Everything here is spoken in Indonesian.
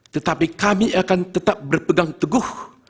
tetapi kami akan tetap berpegang teguh